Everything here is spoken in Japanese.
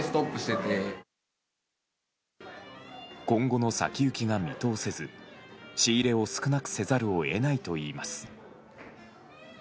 今後の先行きが見通せず仕入れを少なくせざるを得ないといいます。